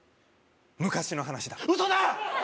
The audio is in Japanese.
昔の話だウソだ！